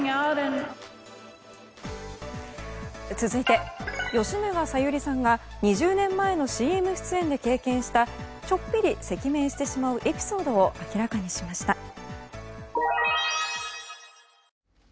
続いて吉永小百合さんが２０年前のＣＭ出演で経験したちょっぴり赤面してしまうエピソードを明らかにしました。